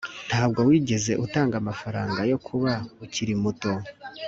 Ntabwo wigeze utanga amafaranga yo kuba akiri muto